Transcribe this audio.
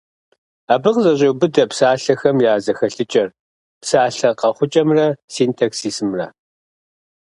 Абы къызэщӏеубыдэ псалъэхэм я зэхэлъыкӏэр, псалъэ къэхъукӏэмрэ синтаксисымрэ.